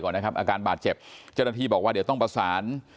นะครับอาการบาดเจ็บเจ้าหน้าที่บอกว่าเดี๋ยวต้องประสาน